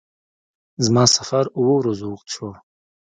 زما سفر اووه ورځو اوږد شو.